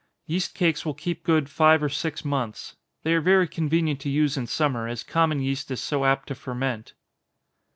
Yeast cakes will keep good five or six months. They are very convenient to use in summer, as common yeast is so apt to ferment.